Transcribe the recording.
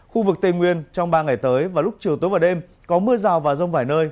khu vực tây nguyên trong ba ngày tới và lúc chiều tối và đêm có mưa rào và rông vài nơi